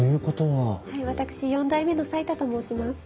はい私４代目の齋田と申します。